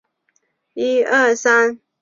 广南茶是山茶科山茶属的植物。